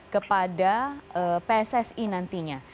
kepada pssi nantinya